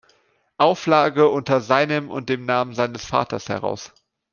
Auflage unter seinem und dem Namen seines Vaters heraus.